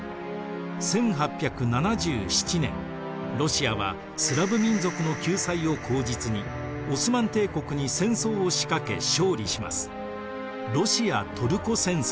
１８７７年ロシアはスラヴ民族の救済を口実にオスマン帝国に戦争を仕掛け勝利します。